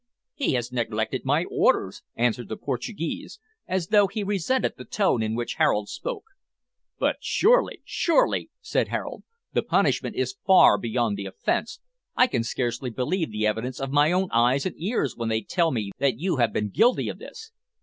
"He has neglected my orders," answered the Portuguese, as though he resented the tone in which Harold spoke. "But surely, surely," said Harold, "the punishment is far beyond the offence. I can scarcely believe the evidence of my own eyes and ears when they tell me that you have been guilty of this."